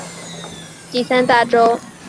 为巴西第三大州。